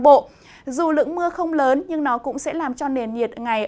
trong khi đó ở các tỉnh nam bộ dù lưỡng mưa không lớn nhưng nó cũng sẽ làm cho nền nhiệt ngày